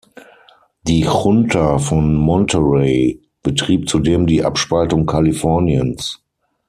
Die Junta von Monterey betrieb zudem die Abspaltung Kaliforniens.